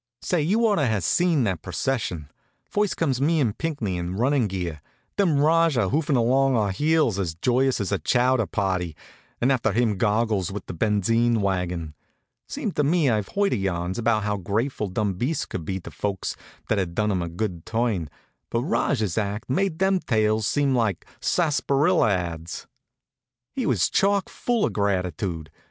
Say, you ought to have seen that procession. First comes me and Pinckney, in running gear; then Rajah, hoofing along at our heels, as joyous as a chowder party; and after him Goggles, with the benzine wagon. Seems to me I've heard yarns about how grateful dumb beasts could be to folks that had done 'em a good turn, but Rajah's act made them tales seem like sarsaparilla ads. He was chock full of gratitude.